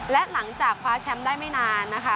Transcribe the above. และหลังจากคว้าแชมป์ได้ไม่นานนะคะ